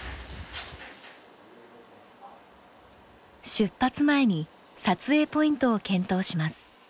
出発前に撮影ポイントを検討します。